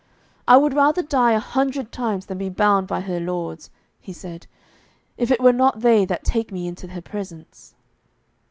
'I would rather die a hundred times than be bound by her lords,' he said, 'if it were not that they take me into her presence.'